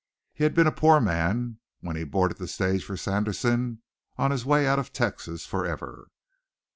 He had been a poor man when he boarded the stage for Sanderson, on his way out of Texas forever.